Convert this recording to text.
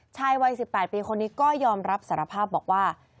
ชายวัย๑๘ปีคนนี้ก็ยอมรับสารภาพบอกว่า